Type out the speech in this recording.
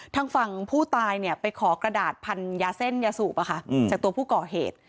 ทางฝั่งผู้ตายไปขอกระดาษพันยาเส้นยาสูบจากตัวผู้ก่อเหตุ